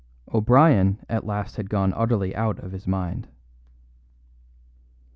O'Brien at last had gone utterly out of his mind.